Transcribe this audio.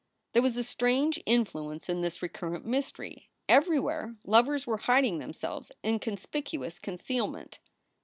There was a strange influence in this recurrent mystery. Everywhere lovers were hiding themselves in conspicuous concealment.